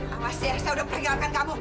awas ya saya udah meninggalkan kamu